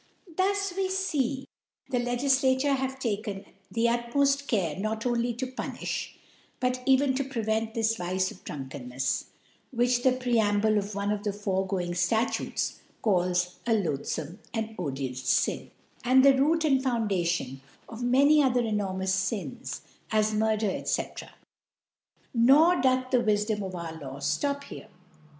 Thus we fee the Legiflature have taken the utmoft Care not only *to punifh, but even to prevent this Vice of Drunkennefs, which the Preamble of one of the foregoing Statutes calls a loathfotne 2LnA odious Swy and the Root and Foundation of many other enormous Sins, as Murder, &c. Nor doth the Wifdom of our Law ftop here.